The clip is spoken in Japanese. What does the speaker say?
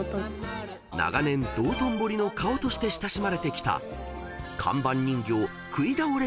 ［長年道頓堀の顔として親しまれてきた看板人形くいだおれ